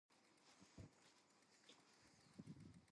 He has refrained from applying again.